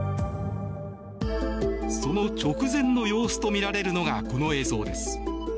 その直前の様子と見られるのがこの映像です。